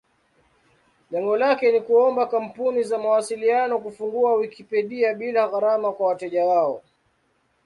Lengo lake ni kuomba kampuni za mawasiliano kufungua Wikipedia bila gharama kwa wateja wao.